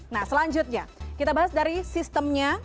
nah selanjutnya kita bahas dari sistemnya